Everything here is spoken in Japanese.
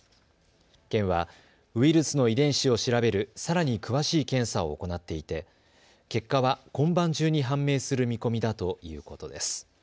県はウイルスの遺伝子を調べるさらに詳しい検査を行っていて結果は今晩中に判明する見込みだということです。